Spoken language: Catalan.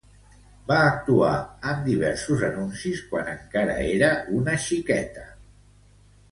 Va actuar en diversos anuncis quan encara era una xiqueta.